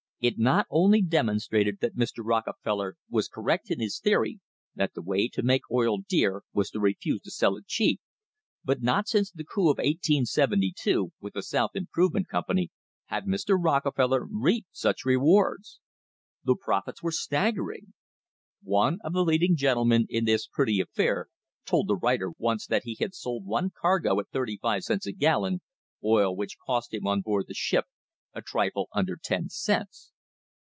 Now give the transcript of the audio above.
It not only demonstrated that Mr. Rockefeller was correct in his theory that the way to make oil dear was to refuse to sell it cheap, but not since the coup of 1872, with the South Improvement Company, had Mr. Rockefeller reaped such rewards. The profits were staggering. One of the leading gentlemen in this pretty affair told the writer once that he had sold one cargo at thirty five cents a gallon, oil which cost him on board the ship a trifle under ten cents.